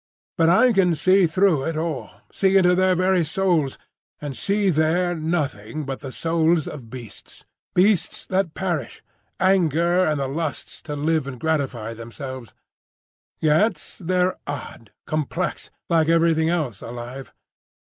But I can see through it all, see into their very souls, and see there nothing but the souls of beasts, beasts that perish, anger and the lusts to live and gratify themselves.—Yet they're odd; complex, like everything else alive.